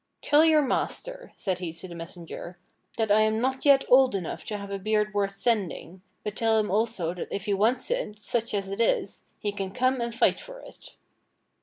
"Tell your master," said he to the messenger, "that I am not yet old enough to have a beard worth sending, but tell him also that if he wants it, such as it is, he can come and fight for it."